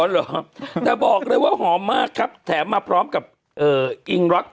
เหรอแต่บอกเลยว่าหอมมากครับแถมมาพร้อมกับอิงร็อก